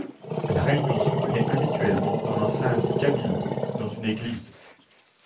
La réunion se tenait habituellement dans l’enceinte du cabildo ou dans une église.